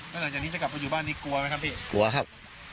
แล้วหลังจากนี้จะกลับมาอยู่บ้านนี้กลัวไหมครับพี่กลัวครับ